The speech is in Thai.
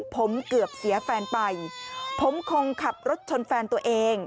ผมเกือบเสียแฟนไปผมคงขับรถชนแฟนตัวเอง